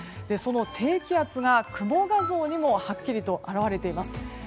その低気圧が雲画像にもはっきりと表れています。